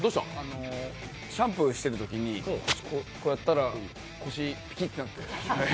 シャンプーしてるとき、こうやったら腰ピキってなって。